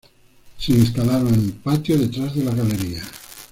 Se instalaron en un patio detrás de la galería.